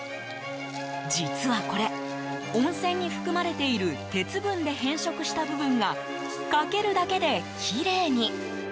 実はこれ、温泉に含まれている鉄分で変色した部分がかけるだけできれいに。